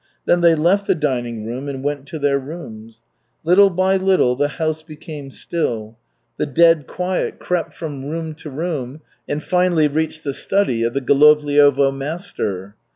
Then they left the dining room and went to their rooms. Little by little the house became still. The dead quiet crept from room to room and finally reached the study of the Golovliovo master.